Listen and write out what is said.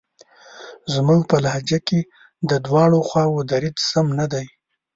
زموږ په لهجه کې د دواړو خواوو دریځ سم نه دی.